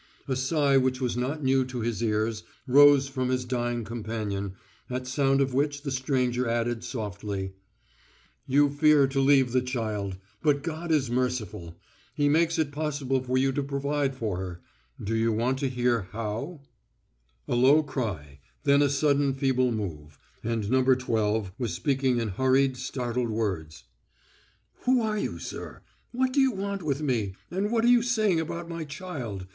A sigh which was not new to his ears rose from his dying companion, at sound of which the stranger added softly: "You fear to leave the child, but God is merciful. He makes it possible for you to provide for her; do you want to hear how?" A low cry, then a sudden feeble move, and No. Twelve was speaking in hurried, startled words: "Who are you, sir? What do you want with me, and what are you saying about my child?